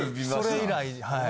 それ以来はい。